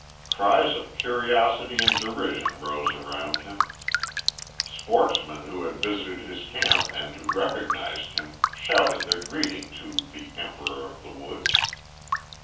Cries of curiosity and derision rose around him. Sportsmen who had visited his camp and who recognized him shouted their greeting to the "Emperor of the Woods."